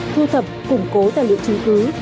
thu thập củng cố tài liệu trung cứu